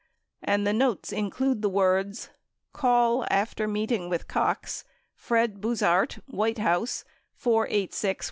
and the notes include the words, "Call after meeting with Cox, Fred Buzhardt, White House 486 1414"